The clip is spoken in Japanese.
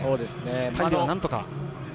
パリではなんとか。